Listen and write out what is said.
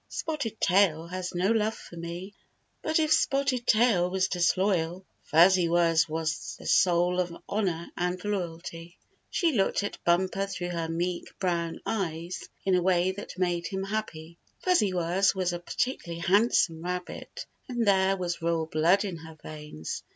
" Spotted Tail has no love for me." But if Spotted Tail was disloyal, Fuzzy Wuzz was the soul of honor and loyalty. She looked at Bumper through her meek, brown eyes in a way 23 24 Bumper Saves Fuzzy Wuzz from Snake that made him happy. Fuzzy Wuzz was a par ticularly handsome rabbit, and there was royal blood in her veins.